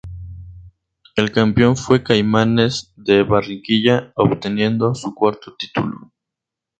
El campeón fue Caimanes de Barranquilla obteniendo su cuarto titulo.